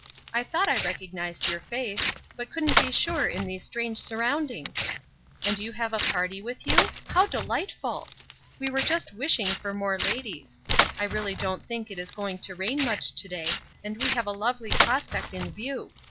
I thought I recognized your face, but couldn't be sure in these strange surroundings. And you have a party with you? How delightful! We were just wishing for more ladies. I really don't think it is going to rain much to day, and we have a lovely prospect in view.